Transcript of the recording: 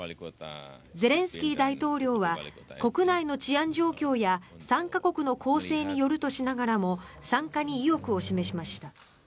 ゼレンスキー大統領は国内の治安状況や参加国の構成によるとしながらも参加に意欲を示しました。